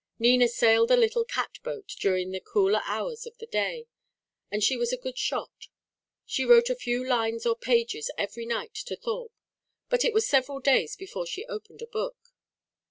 Nina sailed a little cat boat during the cooler hours of the day; and she was a good shot. She wrote a few lines or pages every night to Thorpe; but it was several days before she opened a book.